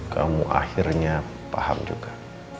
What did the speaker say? kamu akhirnya paham juga